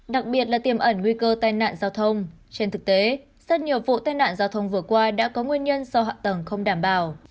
đặc biệt là tiềm ẩn nguy cơ tai nạn giao thông trên thực tế rất nhiều vụ tai nạn giao thông vừa qua đã có nguyên nhân do hạ tầng không đảm bảo